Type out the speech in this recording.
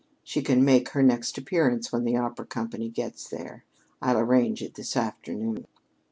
She can make her next appearance when the opera company gets there. I'll arrange it this afternoon."